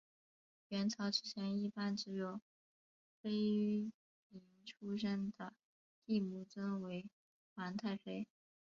阮朝之前一般只有妃嫔出身的帝母尊为皇太妃。